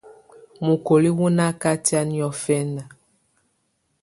Mukoli wù nà katɛ̀á niɔ̀fɛ̀na.